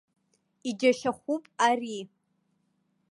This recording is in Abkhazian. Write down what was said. Иџьашьахәуп ари!